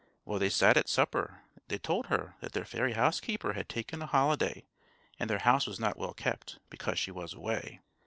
While they sat at supper, they told her that their fairy housekeeper had taken a holiday, and their house was not well kept, because she was away.